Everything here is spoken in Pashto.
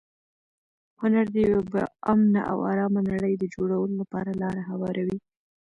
هنر د یوې با امنه او ارامه نړۍ د جوړولو لپاره لاره هواروي.